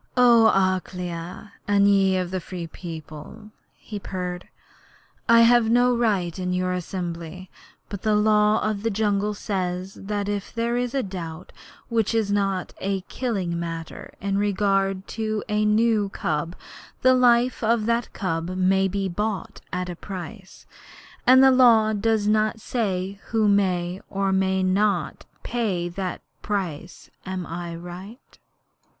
'O Akela, and ye the Free People,' he purred, 'I have no right in your assembly; but the Law of the Jungle says that if there is a doubt which is not a killing matter in regard to a new cub, the life of that cub may be bought at a price. And the Law does not say who may or may not pay that price. Am I right?'